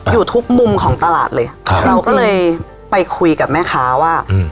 อยู่ทุกมุมของตลาดเลยครับเราก็เลยไปคุยกับแม่ค้าว่าอืม